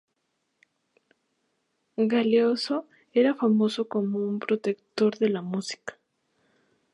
Galeazzo era famoso como un protector de la música.